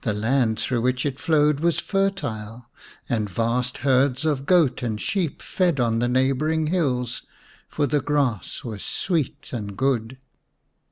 The land through which it flowed was fertile, and vast herds of goat and sheep fed on the neighbouring hills, for the grass was sweet and good.